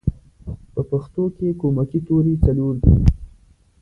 په پښتو کې کومکی توری څلور دی